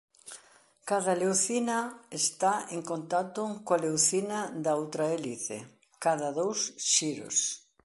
Cada leucina está en contacto coa leucina da outra hélice cada dous xiros.